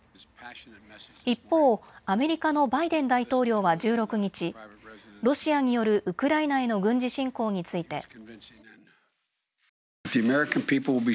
一方、アメリカのバイデン大統領は１６日、ロシアによるウクライナへの軍事侵攻について。